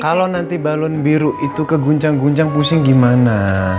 kalau nanti balon biru itu keguncang guncang pusing gimana